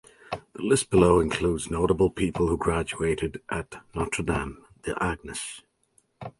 The list below includes notable people who graduated at Notre Dame des Anges.